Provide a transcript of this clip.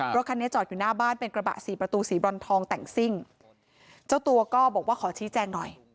รถคันนี้จอดอยู่หน้าบ้านเป็นกระบะสี่ประตูสีบรอนทองแต่งซิ่งเจ้าตัวก็บอกว่าขอชี้แจงหน่อย